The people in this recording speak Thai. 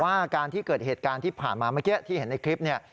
ว่าการที่เกิดเหตุการณ์ที่ผ่านมาเมื่อกี้ที่เห็นในคลิปเนี่ย